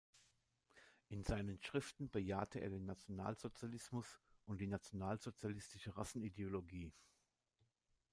In seinen Schriften bejahte er den Nationalsozialismus und die nationalsozialistische Rassenideologie.